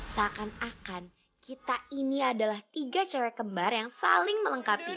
seakan akan kita ini adalah tiga cewek kembar yang saling melengkapi